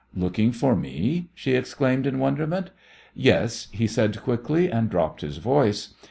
"Looking for me!" she exclaimed in wonderment. "Yes," he said quickly, and dropped his voice.